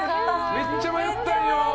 めっちゃ迷ったんよ。